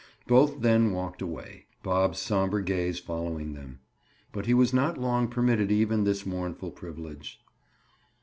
Both then walked away, Bob's somber gaze following them. But he was not long permitted even this mournful privilege.